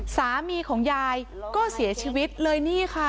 สามีของยายก็เสียชีวิตเลยนี่ค่ะ